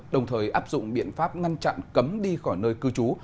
đồng thời áp dụng biện pháp ngăn chặn cấm đi khỏi nơi cư trú